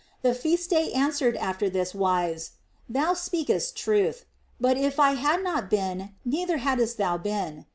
The Feast day answered after this wise : Thou speakest truth ; but if I had not been, neither hadst thou been."